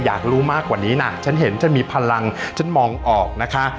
อยากรู้มากกว่านี้นะฉันเห็นฉันมีพลังฉันมองออกนะคะ